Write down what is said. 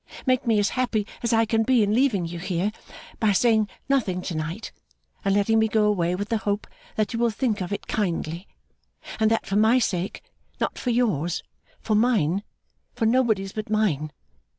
Make me as happy as I can be in leaving you here, by saying nothing to night, and letting me go away with the hope that you will think of it kindly; and that for my sake not for yours, for mine, for nobody's but mine!